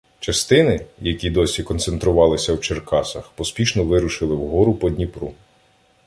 Частини, які досі концентрувалися в Черкасах, поспішно вирушили вгору по Дніпру.